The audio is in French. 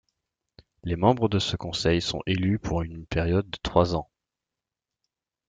Les membres de ce Conseil sont élus pour une période de trois ans.